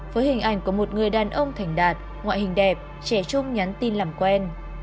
với hình ảnh của một người đàn ông thành đạt ngoại hình đẹp trẻ trung nhắn tin làm quen